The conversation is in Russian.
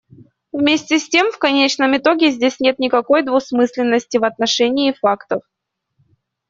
Вместе с тем, в конечном итоге здесь нет никакой двусмысленности в отношении фактов.